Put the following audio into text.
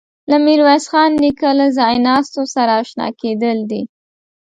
له میرویس خان نیکه له ځایناستو سره آشنا کېدل دي.